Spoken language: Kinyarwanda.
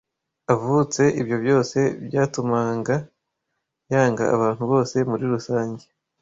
avutse ibyo byose byatumanga yanga abantu bose muri rusange